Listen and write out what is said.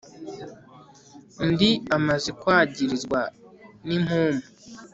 Undi amaze kwagirizwa nimpumu